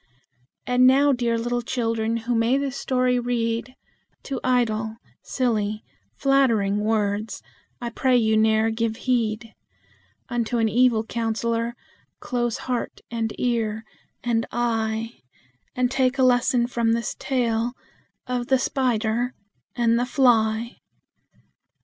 And now, dear little children, who may this story read, To idle, silly, flattering words I pray you ne'er give heed; Unto an evil counselor close heart and ear and eye, And take a lesson from this tale of the spider and the fly.